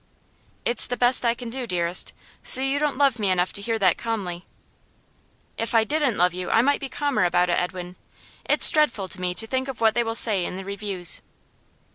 'It's the best I can do, dearest. So you don't love me enough to hear that calmly.' 'If I didn't love you, I might be calmer about it, Edwin. It's dreadful to me to think of what they will say in the reviews.